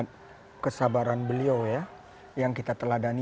terima kasih n ichro in